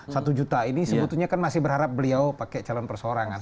satu juta ini sebetulnya kan masih berharap beliau pakai calon persorangan